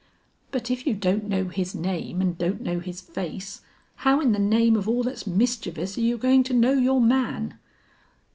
"But if you don't know his name and don't know his face, how in the name of all that's mischievous are you going to know your man?"